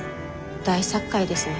大殺界ですね。